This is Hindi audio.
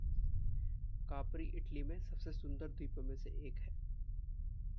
कापरी इटली में सबसे सुंदर द्वीपों में से एक है।